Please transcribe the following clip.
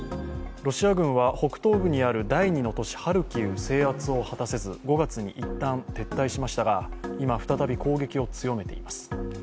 ロシア軍は北東部にある第２の都市ハルキウの制圧を果たせず５月に一旦撤退しましたが今再び攻撃を強めています。